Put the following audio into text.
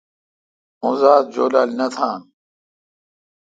اوزات جولال نہ تھان۔